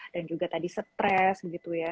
dan juga tadi stress gitu ya